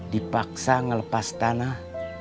dipaksa melepas tanah